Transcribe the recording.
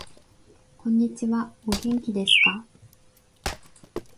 こんにちはお元気ですか